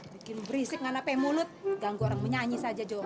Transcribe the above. bikin berisik gak ngepeh mulut ganggu orang menyanyi saja jo